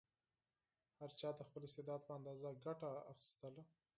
هر چا د خپل استعداد په اندازه ګټه اخیستله.